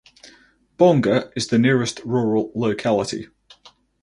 Bonga is the nearest rural locality.